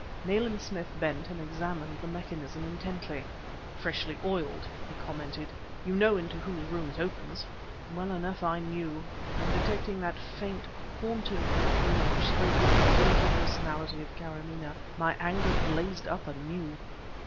Nayland Smith bent and examined the mechanism intently. "Freshly oiled!" he commented. "You know into whose room it opens?" Well enough I knew, and, detecting that faint, haunting perfume which spoke of the dainty personality of Kâramaneh, my anger blazed up anew.